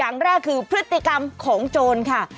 อย่างแรกคือพฤติกรรมของโจรค่ะ